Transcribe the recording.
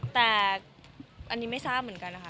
แต่อันนี้ไม่ทราบเหมือนกันนะคะ